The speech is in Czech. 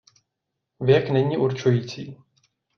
Věk není určující.